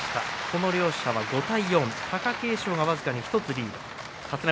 この両者は５対４貴景勝が僅かに１つリード。